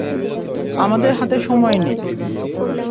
আমাদের হাতে সময় নেই।